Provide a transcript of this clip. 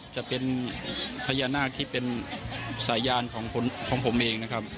จะเป็นพญานาคที่เป็นสายยานของผมเองนะครับ